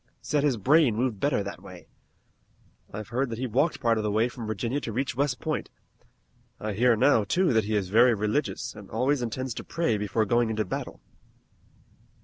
Said his brain moved better that way. I've heard that he walked part of the way from Virginia to reach West Point. I hear now, too, that he is very religious, and always intends to pray before going into battle."